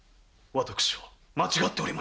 私は間違っておりました。